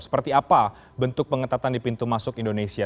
seperti apa bentuk pengetatan di pintu masuk indonesia